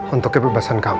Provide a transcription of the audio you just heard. untuk kebebasan kamu